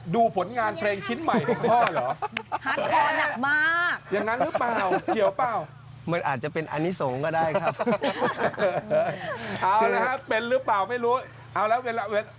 ผลงานเพลงชิ้นใหม่ของพ่อเหรอ